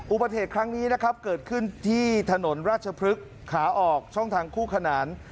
อุบัติเหตุครั้งนี้นะครับเกิดขึ้นที่ถนนราชพฤกษ์ขาออกช่องทางคู่ขนาน